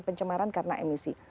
pencemaran karena emisi